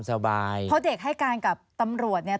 เพราะเด็กให้การกับตำรวจเนี่ย